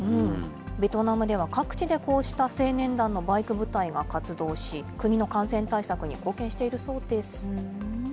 ベトナムでは各地でこうした青年団のバイク部隊が活動し、国の感染対策に貢献しているそうです。